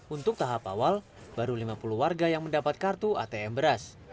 untuk tahap awal baru lima puluh warga yang mendapat kartu atm beras